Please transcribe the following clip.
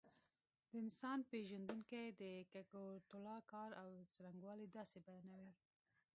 د انسان پېژندونکي د کګوتلا کار او څرنګوالی داسې بیانوي.